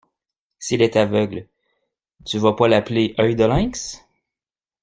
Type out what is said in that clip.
S’il est aveugle, tu vas pas l’appeler Œil de Lynx?